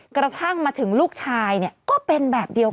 กระทั่งมาถึงลูกชายก็เป็นแบบเดียวกัน